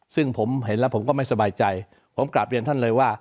ซึ่งผมเห็นแล้วผมก็ไม่สบายใจผมกลับเรียนท่านเลยว่า